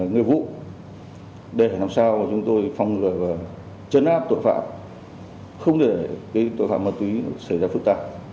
nghiệp vụ để làm sao mà chúng tôi phong lợi và chấn áp tội phạm không để cái tội phạm ma túy xảy ra phức tạp